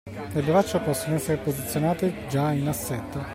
Le braccia possono essere posizionate già in assetto